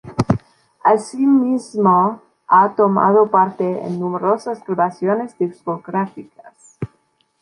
Asimismo, ha tomado parte en numerosas grabaciones discográficas.